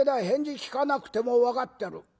返事聞かなくても分かってる。